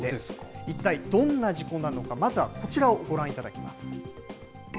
一体どんな事故なのか、まずはこちらをご覧いただきます。